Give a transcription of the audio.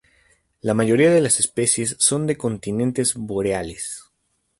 La mayoría de las especies son de continentes boreales.